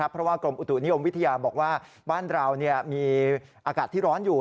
เพราะว่ากรมอุตุนิยมวิทยาบอกว่าบ้านเรามีอากาศที่ร้อนอยู่